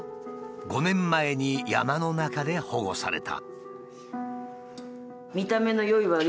５年前に山の中で保護された。